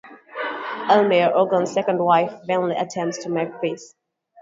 Elmire, Orgon's second wife, vainly attempts to make peace.